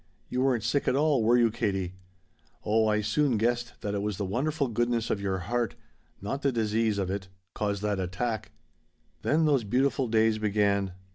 You weren't sick at all were you, Katie? Oh I soon guessed that it was the wonderful goodness of your heart not the disease of it caused that 'attack.' "Then those beautiful days began.